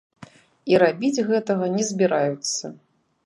І рабіць гэтага не збіраюцца.